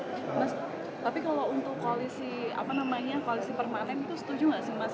mas tapi kalau untuk koalisi permanen itu setuju gak sih mas